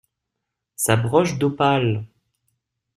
Sa broche d'opale !